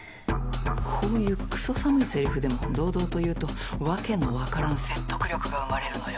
こういうくそ寒いせりふでも堂々と言うと訳のわからん説得力が生まれるのよ。